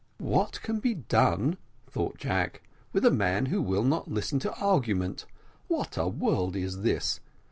"What can be done," thought Jack, "with a man who will not listen to argument? What a world is this!